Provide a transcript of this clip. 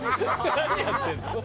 何やってんの？